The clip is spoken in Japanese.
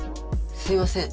すいません。